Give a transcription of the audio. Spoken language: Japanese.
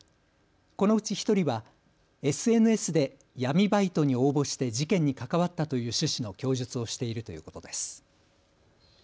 このうち１人はＳＮＳで闇バイトに応募して事件に関わったという趣旨の供述をしているということです。